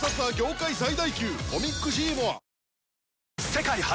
世界初！